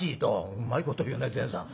「うまいこと言うね善さん。